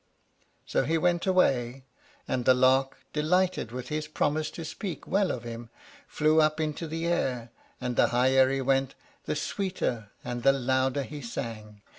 So he went away, and the Lark, delighted with his promise to speak well of him, flew up into the air, and the higher he went the sweeter and the louder he sang.